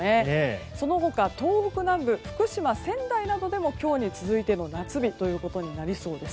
そして東北南部福島、仙台も今日に続いての夏日となりそうです。